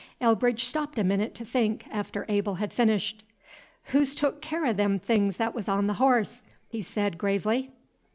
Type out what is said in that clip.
Elbridge stopped a minute to think, after Abel had finished. "Who's took care o' them things that was on the hoss?" he said, gravely.